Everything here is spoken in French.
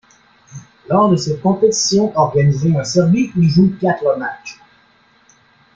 Lors de cette compétition organisée en Serbie, il joue quatre matchs.